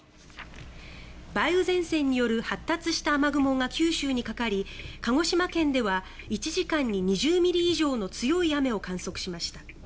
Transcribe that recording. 梅雨前線による発達した雨雲が九州にかかり鹿児島県では１時間に２０ミリ以上の強い雨を観測しました。